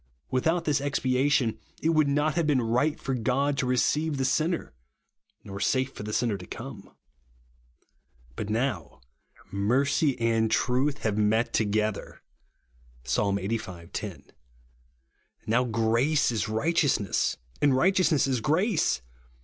Without this expiation, it would not have been right for God to receive the sinner, nor safe for the sinner to come. But now, mercy and truth have met to gether (Psa. Ixxxv. 10) ; now grace is right eousness, and righteousness is grace.